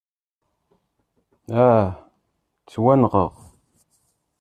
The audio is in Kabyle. Ah! Ttwanɣeɣ!